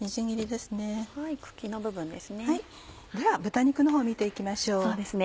では豚肉のほうを見て行きましょう。